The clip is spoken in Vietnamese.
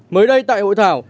mới đây tại hội thảo